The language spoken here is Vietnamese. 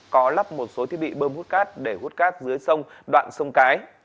có lắp một số thiết bị bơm hút cát để hút cát dưới sông đoạn sông cái